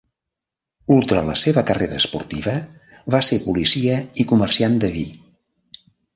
Ultra la seva carrera esportiva, va ser policia i comerciant de vi.